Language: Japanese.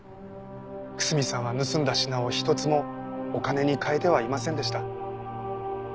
楠見さんは盗んだ品を一つもお金に換えてはいませんでした。